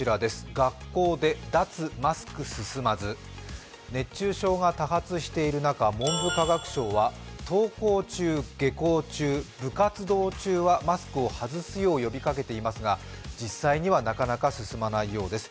学校で脱マスク進まず、熱中症が多発している中、文部科学省は登校中、下校中、部活動中はマスクを外すよう呼びかけていますが、実際にはなかなか進まないようです。